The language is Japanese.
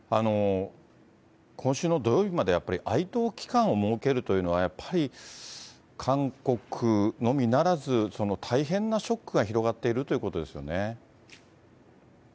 今週の土曜日まで、やっぱり哀悼期間を設けるというのは、やっぱり韓国のみならず大変なショックが広がっているということですよね。